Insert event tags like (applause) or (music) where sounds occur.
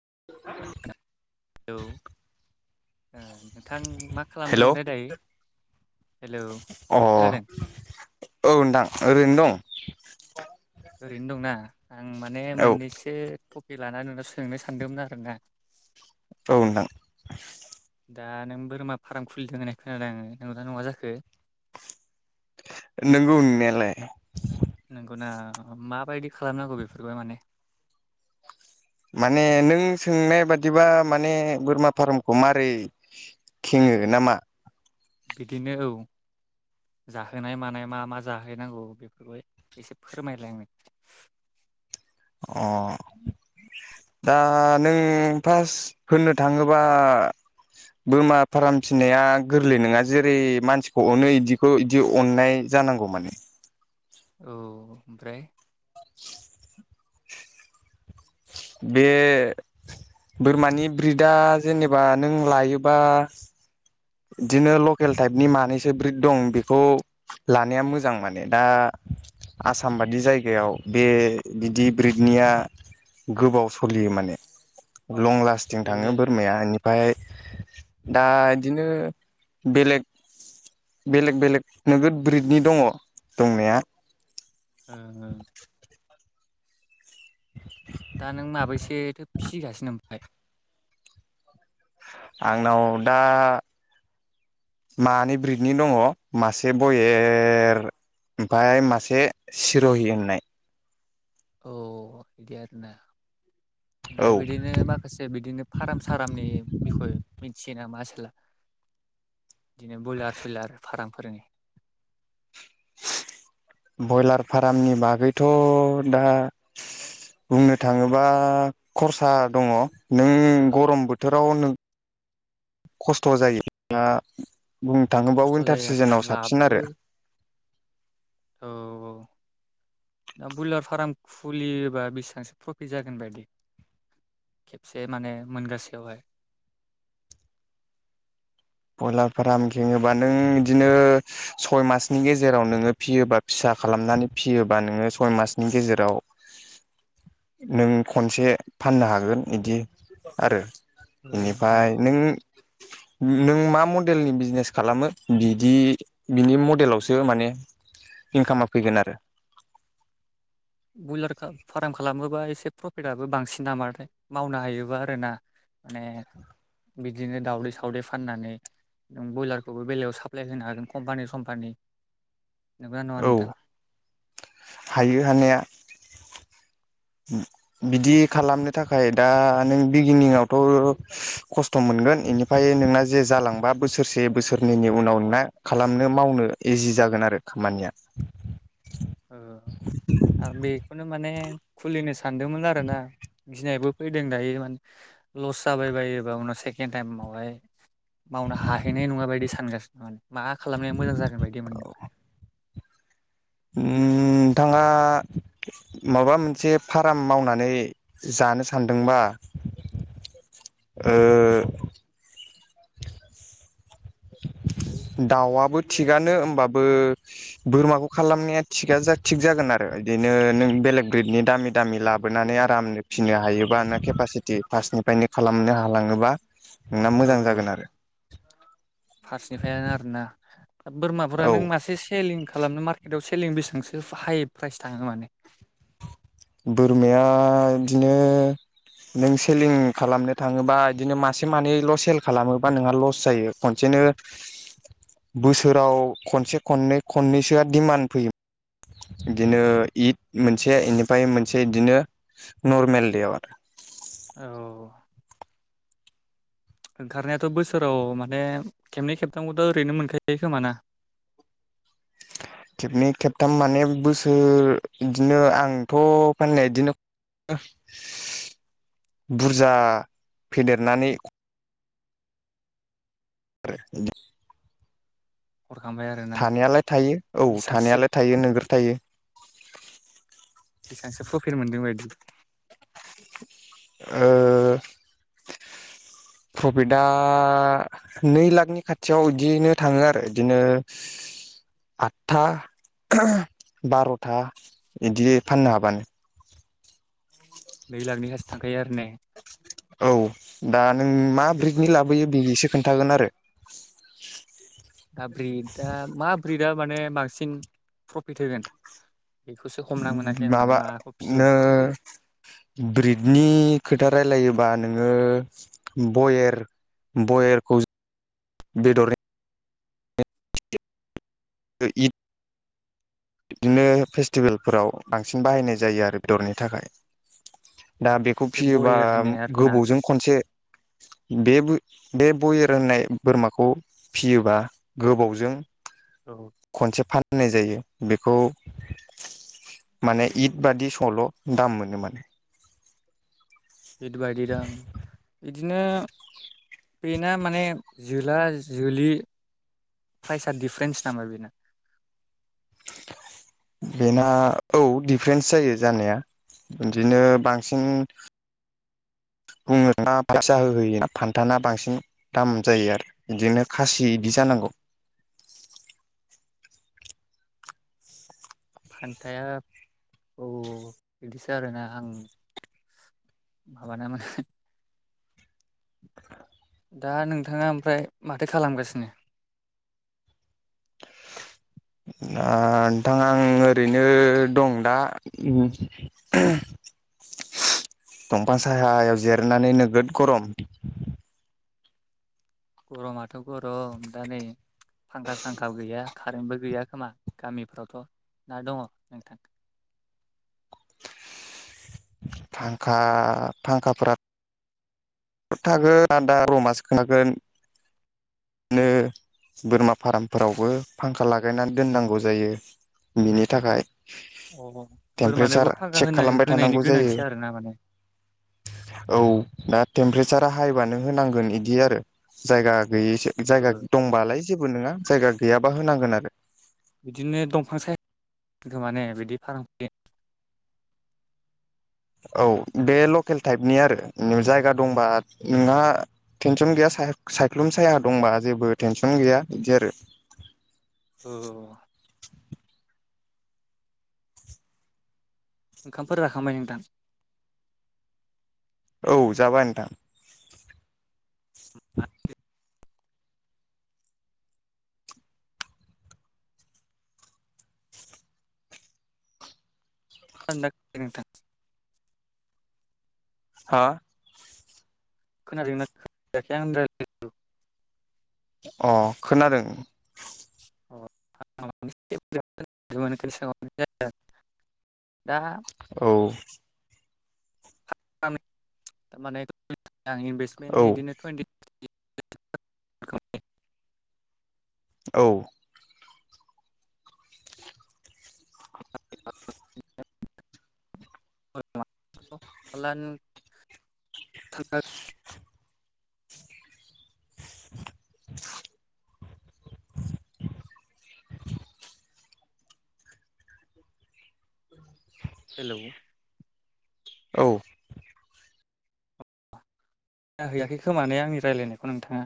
(unintelligible) Hello नोंथां मा hello खालामदोंमोनथाय दायो? हेलौ अ खोनादों औ नोंथां ओरैनो दं ओरैनो दंना आं माने औ मोननैसो तपिक लानानै नोंनाव सोंनो सानदोंमोन आरोना औ नोंथां दा नों बोरमा फार्म खुलिदों होननाय खोनादों आं नंगौना नङा जाखो? नोंगौ नंनायालाय। नोंगौना माबायदि खालामनांगौ बेखौहाय माने माने नों सोंनाय बादिबा माने बोरमा फार्मखौ मारै खेङो नामा? बिदिनो औ जाहोनाय मानाय मा मा जाहोनांगौ बेफोरखौ एसे फोरमायलाय आंनो अ दा नों फार्स्ट होननो थाङोबा बोरमा फार्म फिनाया गोरलै नङा जेरै मानसिखौ अनो बिदिखौ बिदि अननाय जानांगौ माने औ ओमफ्राय (inaudible) बे बोरमानि ब्रिटा जेनेबा नों लायोबा बिदिनो लकेल टाइपनि मानैसो ब्रिट दं बेखौ लानाया मोजां माने दा आसामबादि जायगायाव बे बिदि ब्रिटनिया गोबाव स'लियो माने लं लास्टिं थाङो ए बोरमाया बेनिफ्राय दा बिदिनो बेलेग बेलेग बेलेग नोगोद ब्रिटनि दङो दंनाया ओं ओं (unintelligible) दा नों माबैसे फिसिगासिथो दं ओमफाय हो आंनाव दा मानै ब्रिटनि दङो मासे ब'इयेर आमफाय मासे सिर'हि होननाय औ बिदि आरो ना औ आमफाय बिदिनो माखासे बिदिनो फाराम सारामनि बिख'इ मिथियो नामा आसोला बिदिनो बयलार सयलार फाराम फोरोनि बयलार फारामनि बागैथ' दा हो बुंनो थाङोबा ख'रसा दङो नों गरम बोथोराव नों खस्थ' जायो आ खस्थ' जायो आरोना लापबो औ औ दा बयलार फाराम खुलियोबा बिसेबांसो प्रफिट जागोन बादि खेबसे माने मोनगासेआवहाय बयलार फाराम खेङोबा नों इदिनो हो सय मासनि गेजेराव नोङो फिसियोबा फिसा खालामनानै फियोबा नों सय मासनि गेजेराव (inaudible) नों खनसे फाननो हागोन इदि आरो औ इनिफाय नों नों मा मडेलनि बिजिनेस खालामो बिदि बिनि मडेलावसो माने इनकामा फैगोन आरो (inaudible) बयलार फाराम खालामोबा एसे प्रफिटआबो बांसिन नामाथाइ मावनो हायोबा आरोना माने बिदिनो दावदै सावदै फाननानै उम बयलारखौबो बेलेगायाव साप्लाय होनो हागोन कम्पानि समम्पानि औ हायो हानाया बिदि खालामनो थाखाय दा नों बिगिनिंआवथ' खस्थ' मोन गोन इनिफ्राय नोंना जे जालांबा बोसोरसे बोसोरनैनि उनाव नोंना खालामनो मावनो इजि जागोन आरो खामानिआ नोंथां आरो बेखौनो माने खुलिनो सानदोंमोन आरो ना गिनायबो फैदों दायो माने ओह‌ ल'स जाबाय बायोबा उनाव सेकेण्ड टाइमावहाय मावनो हाहैनाय नङा बायदि सानगासिनो माने मा खालामनाया मोजां जागोन बायदि मोनदों उम नोंथांआ माबा मोनसे फाराम मावनानै जानो सानदोंबा (inaudible) ओह (inaudible) दाउआबो थिगानो हमबाबो बोरमाखौ खालामनाया थिगा थिग जागोन आरो इदिनो नों बेलेग ब्रिटनि दामि दामि लाबोनानै आरामनो फिनो हायोबा नों केपासिटि फास्ट निफ्रायनो खालामनो हालांङोबा नोंना औ मोजां औ जागोन आरो फारसेनिफ्रायानो आरोना बोरमाफोरा औ नों मासे सेलिं खालामनो मार्केटाव सेलिं बेसेबांसो हाइ प्राइस थांओ माने बोरमाया इदिनो नों सेलिं खालामनो थाङोबा इदिनो मासे मानैल' सेल खालामोबा नोंहा लस जायो खनसेनो। बोसोराव खनसे खननै खननैसोआ डिमान्ड फैयोमोन। इदिनो इद मोनसे इनिफ्राय मोनसे इदिनो नरमेल देयाव आरो। औ ओंखारनायाथ' बोसोराव माने खेबनै खेबथामखौथ' ओरैनो मोनखायो खोमाना? (inaudible) खेबनै खेबथाम माने बोसोर इदिनो आंथ' फाननाया इदिनो बुरजा फेदेरनानै आरो हरखांबाय आरोना थानायालाय थायो, औ बेसांसो थानायालाय थायो नोगोर थायो। बेसेबांसो प्रफिट मोनदों बायदि ओ प्रफिटआ नै लाखनि खाथियाव बिदियनो थाङो आरो बिदिनो। आदथा बार'था बिदि फाननो हाबानो। नै लाखनि खाथि थांखायो आरो ने। औ दा नों मा बे ब्रिकनि लाबोयो बेसो खोन्थागोन आरो। दा ब्रिदा मा ब्रिदा माने बांसिन प्रफिट होगोन? बेखौसो हमना मोनाखै आं माने माखौ फिसिबा माबानो ब्रिदनि खोथा रायलायो बा नोङो बेर बयेरखौ बेदरनि बे इद बिदिनो फेस्टिभेलफोराव बांसिन बाहायनाय जायो आरो बेदरनि थाखाय। दा बेखौ बे फिसियोबा बयेर होननाया आरोना गोबौजों खनसे (unintelligible) बे बे बयेर होननाय बोरमाखौ फियोबा गोबावजों औ खनसे फाननाय जायो। बेखौ माने इद बादि समावल दाम मोनो माने। बिबायायदि दं बिदिनो बेना माने जोला जोलि प्राइजआ दिडिफारेन्स नामा बेना। (unintelligible) बेना औ डिफारेन्स जायो जानाया। बिदिनो बांसिन बुंनो (unintelligible) फान्थाना बांसिन दाम जायो आरो बिदिनो खासि बिदि जानांगौ। (unintelligible) फान्थाया औ बिदिसो आरोना आं माबा ना माने दा नोंथाङा ओमफ्राय माथो खालामगासिनो? दा नोंथां आं ओरैनो दं दा। (unintelligible) दंफां सायायाव जिरायनानै नोगोद गरम। गरमाथ' गरम दा नै। फांखा सांखो गैया कारेन्टबो गैया खोमा गामिफ्रावथ'। ना दङ नोंथां। फांखा फांखाफोरा थागोन आन्दा रमान्स खागोन बिदिनो बोरमा फार्मफोरावबो फांखा लागायनानै दोननांगौ जायो। बिनि थाखाय अ टेमपारेसार बोरमानोबो फागा चेक होनाय खालामबाय होनायनि थानांगौ। औ गोनांथि आरोना माने दा टेमपारेसारा हाइबानो होनांगोन बिदि आरो जायगा गैयिसो ओ जायगा दंबालाय। जेबो नङा जायगा गैयाबा होनांगोन आरो। बिदिनो दंफां साया (inaudible) माने बिदि फाराम (inaudible) औ बे लकेल टाइपनि आरो नु जायगा दंबा नोंहा टेनसन गैया साया सायख्लुम साया दंबा जेबो टेनसन गैया इदि आरो। (inaudible) औ खामफोर जाखांबाय नोंथां? औ जाबाय नोंथां। (inaudible) (unintelligible) हा? खोनादोंना (unintelligible) अ खोनादों। (unintelligible) औ औ (unintelligible) (unintelligible) औ (unintelligible) (unintelligible) (inaudible) हेलौ' औ नाहैयाखै खोमाने आंनि रायलायनायखौ नोंथाङा?